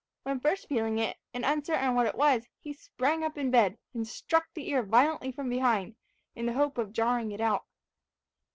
When first feeling it, and uncertain what it was, he sprang up in bed, and struck the ear violently from behind, in the hope of jarring it out.